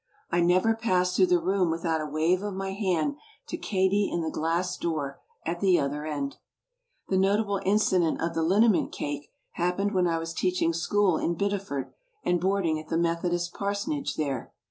I never passed through the room without a wave of my hand to Katie in the glass door at the other end. The notable incident of the liniment cake happened when I was teaching school in Bideford and boarding at the Methodist parsonage there.